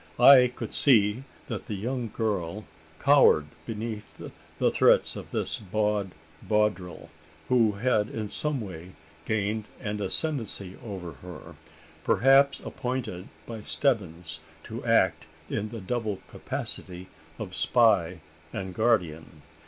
I could see that the young girl cowered beneath the threats of this bold bawdril, who had in some way gained an ascendancy over her perhaps appointed by Stebbins to act in the double capacity of spy and guardian?